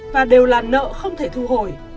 và đều là nợ không thể thu hồi